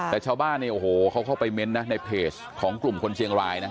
แต่ชาวบ้านเขาเข้าไปเมนต์นะในเพจของกลุ่มคนเชียงรายนะ